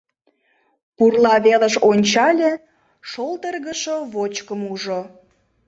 Пурла велыш ончале, шолдыргышо вочкым ужо.